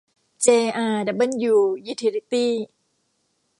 เจ อาร์ ดับเบิ้ลยู ยูทิลิตี้